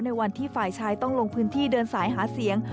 ในวันที่ฝ่ายชายต้องลงพื้นที่เดินสายหาเสียง